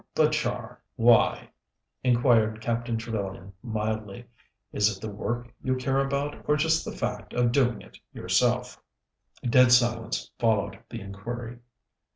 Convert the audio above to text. "But, Char, why?" inquired Captain Trevellyan mildly. "Is it the work you care about, or just the fact of doing it yourself?" Dead silence followed the inquiry.